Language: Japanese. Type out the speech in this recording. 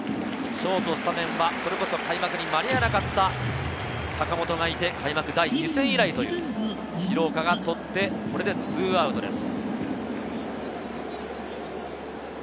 ショートのスタメンは、それこそ開幕に間に合わなかった坂本がいて、開幕第２戦以来という廣岡が捕って、これで２アウトです。